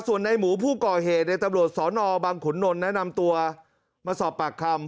ส่วนในหมูผู้ก่อเหตุในตำรวจสนบังขุนนลแนะนำตัวมาสอบปากคำ